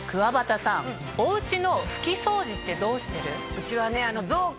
うちはね。